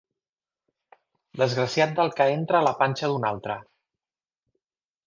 Desgraciat del que entra a la panxa d'un altre.